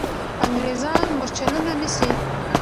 انګریزان مرچلونه نیسي.